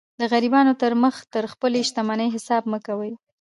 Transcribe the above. د غریبانو تر مخ د خپلي شتمنۍ حساب مه کوئ!